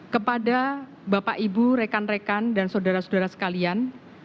kepada bapak ibu rekan rekan dan sodara sodara sekalian